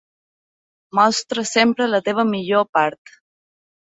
Mostra sempre la teva millor part.